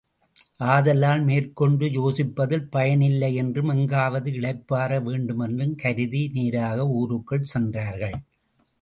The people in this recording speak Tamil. ஆதலால் மேற்கொண்டு யோசிப்பதில் பயனில்லை என்றும், எங்காவது இளைப்பாற வேண்டுமென்றும் கருதி நேராக ஊருக்குள் சென்றார்கள்.